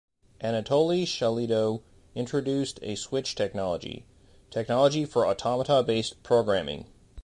Anatoly Shalyto introduced a Switch-technology - technology for Automata-Based Programming.